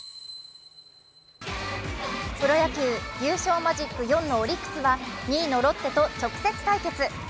プロ野球、優勝マジック４のオリックスは２位のロッテと直接対決。